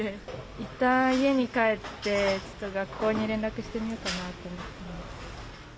いったん家に帰って、ちょっと学校に連絡してみようかなと思ってます。